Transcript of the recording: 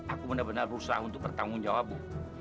aku benar benar berusaha untuk bertanggung jawab